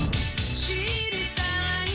知りたい」